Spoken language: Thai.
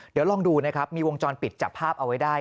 เดี๋ยวลองดูนะครับมีวงจรปิดจับภาพเอาไว้ได้